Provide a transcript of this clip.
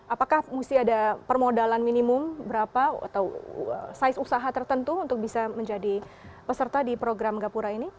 apakah mesti ada permodalan minimum berapa atau size usaha tertentu untuk bisa menjadi peserta di program gapura ini